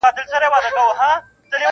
چوپتيا کله کله له هر غږ څخه درنه وي ډېر,